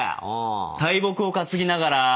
大木を担ぎながら。